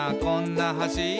こんな橋」